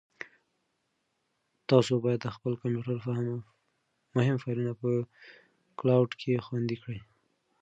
تاسو باید د خپل کمپیوټر مهم فایلونه په کلاوډ کې خوندي کړئ.